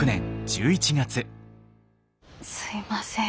すいません